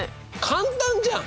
簡単じゃん。